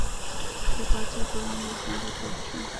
د پاچا پر وړاندې سنګر پاتې شو.